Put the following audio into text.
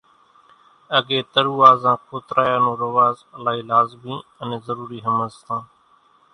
اڳيَ ترُووازان کوتريا نون رواز الائِي لازمِي انين ضرورِي ۿمزتان۔